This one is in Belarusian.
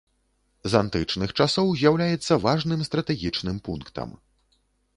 З антычных часоў з'яўляецца важным стратэгічным пунктам.